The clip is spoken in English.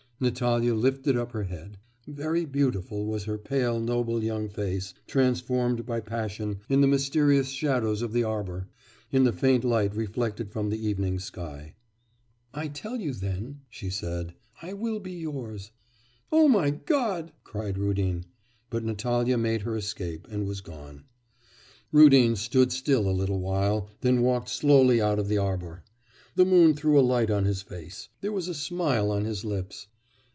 Natalya lifted up her head. Very beautiful was her pale, noble, young face, transformed by passion, in the mysterious shadows of the arbour, in the faint light reflected from the evening sky. 'I tell you then,' she said, 'I will be yours.' 'Oh, my God!' cried Rudin. But Natalya made her escape, and was gone. Rudin stood still a little while, then walked slowly out of the arbour. The moon threw a light on his face; there was a smile on his lips.